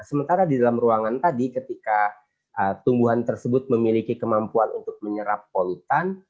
sementara di dalam ruangan tadi ketika tumbuhan tersebut memiliki kemampuan untuk menyerap polutan